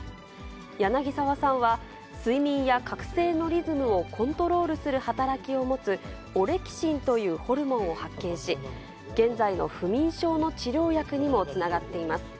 柳沢さんは睡眠や覚醒のリズムをコントロールする働きを持つ、オレキシンというホルモンを発見し、現在の不眠症の治療薬にもつながっています。